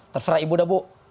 terserah ibu dah bu